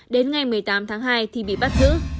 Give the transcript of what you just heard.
đến ngày một mươi tám tháng hai thì bị bắt giữ